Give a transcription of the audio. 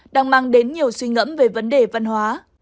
đang mang đến nhiều suy ngẫm về vấn đề văn hóa